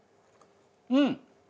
うん！